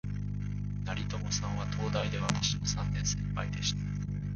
成友さんは、東大で私の三年先輩でした